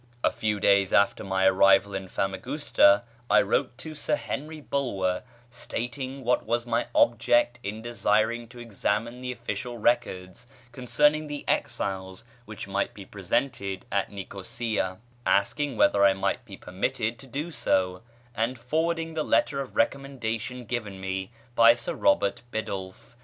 A few days after my arrival at Famagusta I wrote to Sir Henry Bulwer stating what was my object in desiring to examine the official records concerning the exiles which might be preserved at Nicosia, asking whether I might be permitted to do so, and forwarding the letter of recommendation given me by Sir Robert Biddulph.